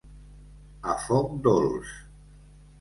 A foc dolç.